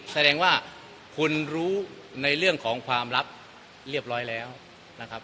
แสดงว่าคุณรู้ในเรื่องของความลับเรียบร้อยแล้วนะครับ